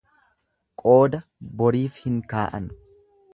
Qooda boriif hin kaa'an.